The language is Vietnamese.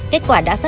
kết quả đã xảy ra